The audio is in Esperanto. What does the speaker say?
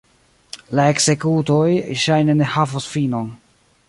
La ekzekutoj ŝajne ne havos finon.